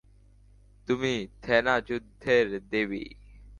তুমি থেনা, যুদ্ধের দেবী।